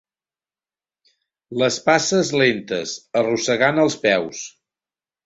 Les passes lentes, arrossegant els peus.